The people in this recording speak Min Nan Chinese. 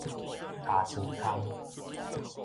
尻川空